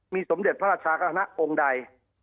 สมเด็จพระราชาคณะองค์ใด